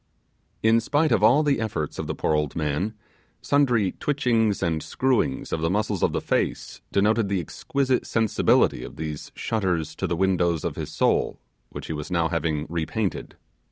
In spite of all the efforts of the poor old man, sundry twitchings and screwings of the muscles of the face denoted the exquisite sensibility of these shutters to the windows of his soul, which he was now having repainted.